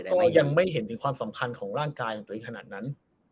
ก็ยังไม่เห็นถึงความสำคัญของร่างกายของตัวเองขนาดนั้น